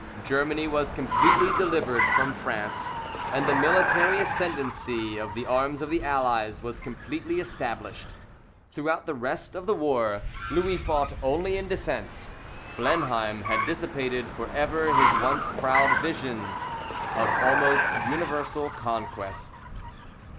Germany was completely delivered from France; and the military ascendancy of the arms of the Allies was completely established. Throughout the rest of the war Louis fought only in defence. Blenheim had dissipated for ever his once proud visions of almost universal conquest.